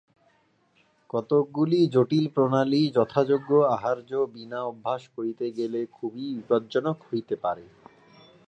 কতকগুলি জটিল প্রণালী যথাযোগ্য আহার্য বিনা অভ্যাস করিতে গেলে খুবই বিপজ্জনক হইতে পারে।